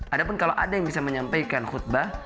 adapun kalau ada yang bisa menyampaikan khutbah